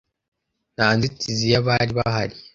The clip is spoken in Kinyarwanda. Nta nzitizi yabari bahari.